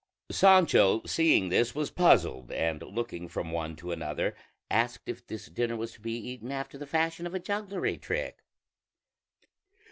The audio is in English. Sancho seeing this was puzzled, and looking from one to another, asked if this dinner was to be eaten after the fashion of a jugglery trick.